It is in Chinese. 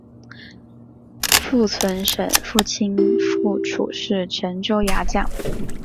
符存审父亲符楚是陈州牙将。